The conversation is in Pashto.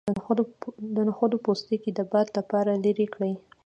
د نخود پوستکی د باد لپاره لرې کړئ